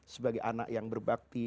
sebagai anak yang berbakti